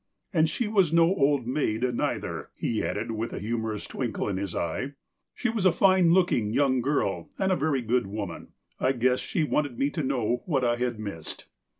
" And she was no old maid, neither," he added with a humorous twinkle in his eye. "She was a fine look ing young girl, and a very good woman. I guess she wanted me to know what I had missed."